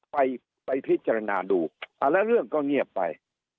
ไปไปพิจารณาดูแต่ละเรื่องก็เงียบไป